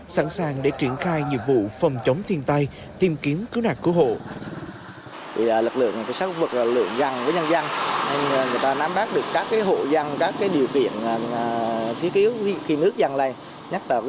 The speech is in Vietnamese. sẵn sàng để triển khai nhiệm vụ phòng chống thiên tai tìm kiếm cứu nạt cứu hộ